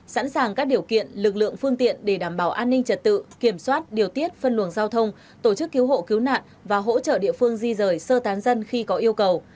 sẵn sàng các điều kiện lực lượng phương tiện để đảm bảo an ninh trật tự kiểm soát điều tiết phân luồng giao thông tổ chức cứu hộ cứu nạn và hỗ trợ địa phương di rời sơ tán dân khi có yêu cầu